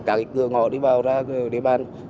cả cái cửa ngõ đi vào ra địa bàn